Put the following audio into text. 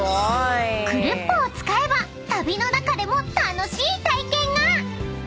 ［クルッポを使えば旅の中でも楽しい体験が！］